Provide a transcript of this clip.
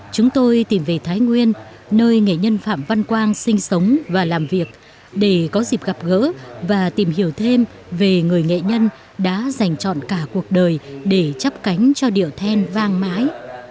chúng tôi tìm về thái nguyên nơi nghệ nhân phạm văn quang sinh sống và làm việc để có dịp gặp gỡ và tìm hiểu thêm về người nghệ nhân đã dành chọn cả cuộc đời để chấp cánh cho điệu then vang mãi